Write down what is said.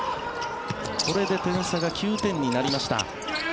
これで点差が９点になりました。